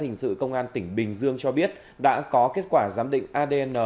hình sự công an tỉnh bình dương cho biết đã có kết quả giám định adn